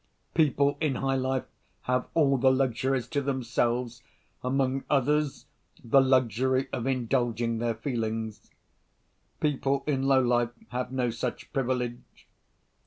People in high life have all the luxuries to themselves—among others, the luxury of indulging their feelings. People in low life have no such privilege.